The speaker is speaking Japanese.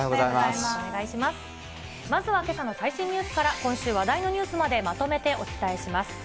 まずはけさの最新ニュースから、今週話題のニュースまでまとめてお伝えします。